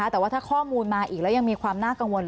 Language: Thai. แต่ว่าถ้าข้อมูลมาอีกแล้วยังมีความน่ากังวล